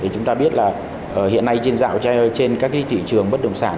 chúng ta biết là hiện nay trên dạo trên các thị trường bất động sản